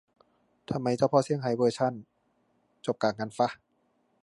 ทำไมเจ้าพ่อเซี่ยงไฮ้เวอร์ขั่น จบกากงั้นฟะ